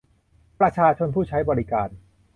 ประชาชนผู้ใช้บริการ